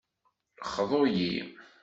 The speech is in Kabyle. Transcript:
Xḍu-yi!